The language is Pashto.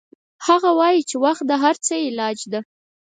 هغه وایي چې وخت د هر څه علاج ده